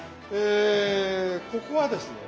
ここはですね